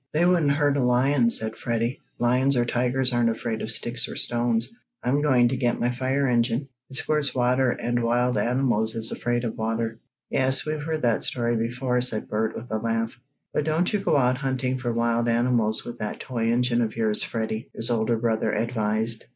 "They wouldn't hurt a lion," said Freddie. "Lions or tigers aren't afraid of sticks or stones. I'm going to get my fire engine. It squirts water, and wild animals is afraid of water." "Yes, we've heard that story before," said Bert, with a laugh. "But don't you go out hunting for wild animals with that toy engine of yours, Freddie!" his older brother advised.